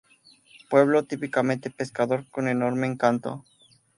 Pueblo típicamente pescador con enorme encanto.